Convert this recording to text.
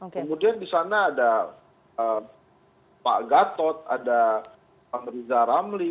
kemudian di sana ada pak gatot ada pak riza ramli